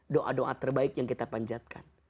doa doa terbaik yang kita panjatkan